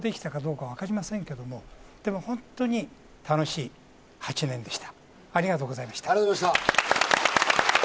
それは実行できたかどうかわかりませんけど、本当に楽しい８年でした。